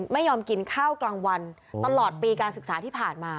ไม่ยอมกินข้าวกลางวันตลอดปีการศึกษาที่ผ่านมา